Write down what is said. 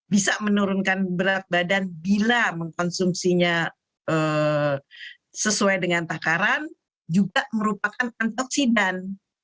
bisa menurunkan berat badan bila mengkonsumsinya sesuai dengan takaran juga merupakan antioksidan